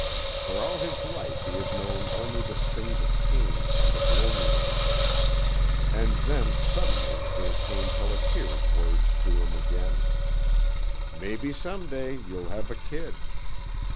For all his life he had known only the stings of pain and of loneliness. And then, suddenly, there came Pelliter's words to him again "Mebbe some day you'll have a kid."